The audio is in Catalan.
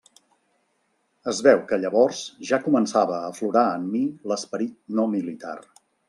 Es veu que llavors ja començava a aflorar en mi l'esperit no militar.